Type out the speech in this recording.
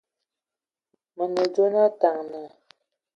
Mə nə dzwe na Ataŋga.